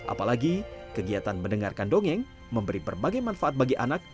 apalagi kegiatan mendengarkan dongeng memberi berbagai manfaat bagi anak